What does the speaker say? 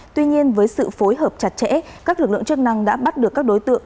tuy nhiên với sự phối hợp chặt chẽ các lực lượng chức năng đã bắt được các đối tượng